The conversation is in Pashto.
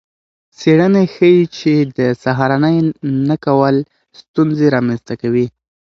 څیړنې ښيي چې د سهارنۍ نه کول ستونزې رامنځته کوي.